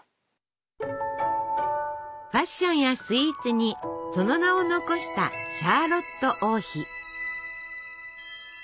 ファッションやスイーツにその名を残したシャーロット王妃。